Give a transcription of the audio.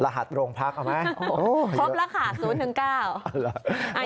รหัสโรงพักเอาไหมโอ้โฮเยี่ยมครอบราคา๐๑๙